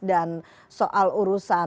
dan soal urusan